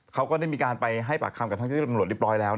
เขาจะยุทธิ์กายบูหรอดิบลอยแล้ว